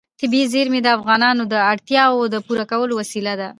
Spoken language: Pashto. طبیعي زیرمې د افغانانو د اړتیاوو د پوره کولو وسیله ده.